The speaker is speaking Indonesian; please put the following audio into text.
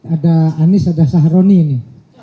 ada anies ada sahroni ini